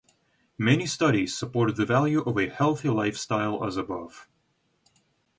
Many studies support the value of a healthy lifestyle as above.